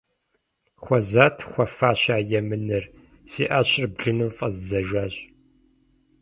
Хуэзат хуэфащи а емынэр, си Ӏэщэр блыным фӀэздзэжащ.